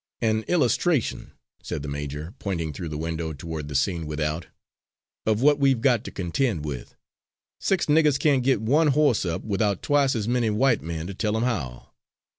"An illustration," said the major, pointing through the window toward the scene without, "of what we've got to contend with. Six niggers can't get one horse up without twice as many white men to tell them how.